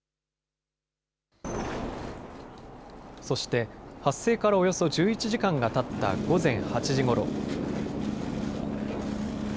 そして、発生からおよそ１１時間がたった午前８時ごろ。